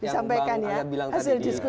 yang bang ayat bilang tadi di depan